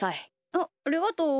あっありがとう。